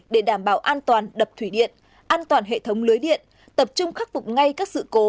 để đảm bảo an toàn đập thủy điện an toàn hệ thống lưới điện tập trung khắc phục ngay các sự cố